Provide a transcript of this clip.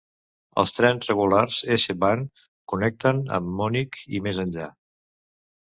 Els trens regulars S-Bahn connecten amb Munic i més enllà.